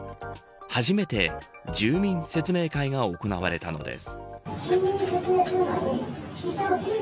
初めて、住民説明会が行われたのです。